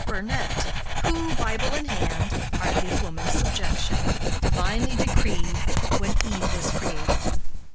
Burnet, who, Bible in hand, argued woman's subjection, divinely decreed when Eve was created.